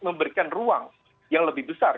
memberikan ruang yang lebih besar